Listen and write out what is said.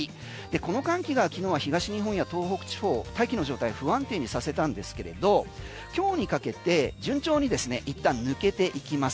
この寒気が昨日は東日本や東北地方大気の状態を不安定にさせたんですけれど今日にかけて、順調にですねいったん抜けていきます。